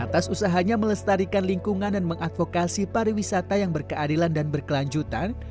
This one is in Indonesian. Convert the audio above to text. atas usahanya melestarikan lingkungan dan mengadvokasi pariwisata yang berkeadilan dan berkelanjutan